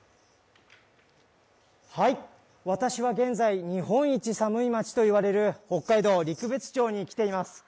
私は現在、日本一寒い町といわれる、北海道陸別町に来ています。